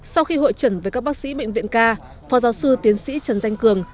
sau khi hội trần với các bác sĩ bệnh viện ca phó giáo sư tiến sĩ trần danh cường